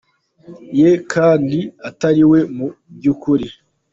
ye kandi atari we mu byukuri.